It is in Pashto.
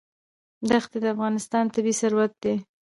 دښتې د افغانستان طبعي ثروت دی.